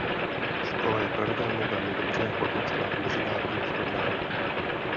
Škola je pravidelně velmi dobře hodnocena v mezinárodním srovnání.